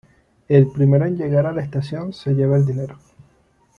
El primero en llegar a la estación se lleva el dinero.